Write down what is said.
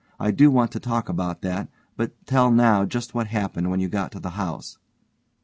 I do want to talk about that, but tell now just what happened when you got to the house.